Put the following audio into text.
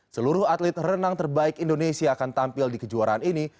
seluruh atlet renang terbaik indonesia akan tampil di kejuaraan ini